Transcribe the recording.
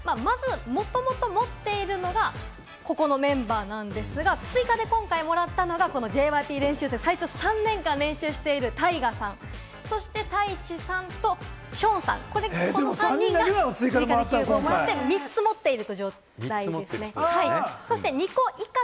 まずもともと持っているのが、ここのメンバーなんですが、追加で今回もらったのがＪＹＰ練習生、最長３年間練習しているタイガさん、そしてタイチさんとショーンさん、この３人が追加でキューブをもらって３つ持っている状態です。